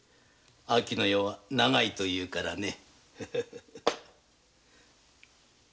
秋の夜は長いというからね。